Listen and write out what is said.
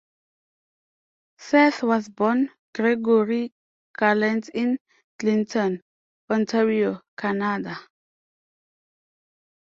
Seth was born Gregory Gallant in Clinton, Ontario, Canada.